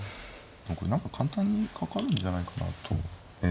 これ何か簡単にかかるんじゃないかなと。